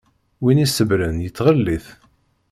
Win i iṣebbṛen yettɣellit.